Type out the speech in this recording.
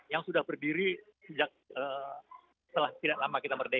yang sudah berdiri sejak setelah tidak lama kita merdeka